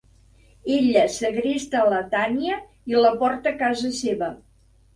Ella segresta la Tanya i la porta a casa seva.